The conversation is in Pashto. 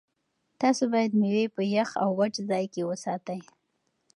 تاسو باید مېوې په یخ او وچ ځای کې وساتئ.